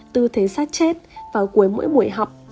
tư thế sát chết vào cuối mỗi buổi học